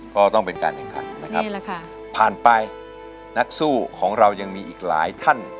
ก็ต้องเป็นการแข่งขันนะครับนี่แหละค่ะผ่านไปนักสู้ของเรายังมีอีกหลายท่าน